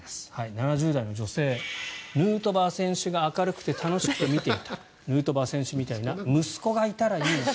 ７０代の女性ヌートバー選手が明るくて楽しくて見ていたヌートバー選手みたいな息子がいたらいいなと。